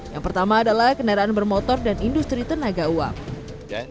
yang pertama adalah kendaraan bermotor dan industri tenaga uang